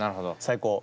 最高。